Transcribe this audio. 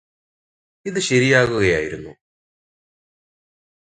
ഇത് ശരിയാക്കുകയായിരുന്നു